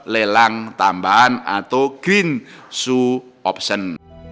lelang tambahan atau green su option